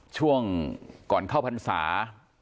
ช่วงก่อนเข้าพรรษา